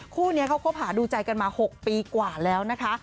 คู่นี้เขาคบหาดูใจกันมา๖ปีกว่าแล้วนะคะ